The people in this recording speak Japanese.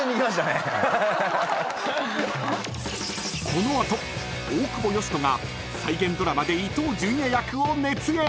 ［この後大久保嘉人が再現ドラマで伊東純也役を熱演］